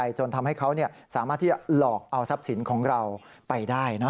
อย่าเอาทรัพย์สินของเราไปได้นะ